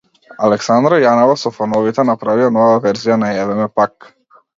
Александра Јанева со фановите направија нова верзија на „Еве ме пак“